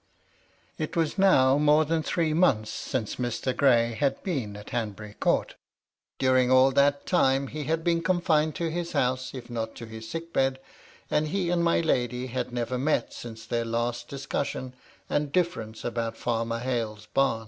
It was now more than three months since Mr. Gray bad been at Hanbury Court During all that time, he had been confined to his house, if not to his sick bed, and he and my lady had never met since their last dis cussion and difference about Farmer Hale's bam.